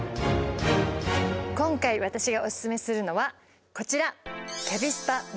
今回私がお薦めするのはこちら。